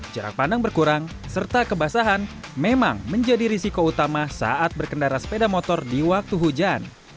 jarak pandang berkurang serta kebasahan memang menjadi risiko utama saat berkendara sepeda motor di waktu hujan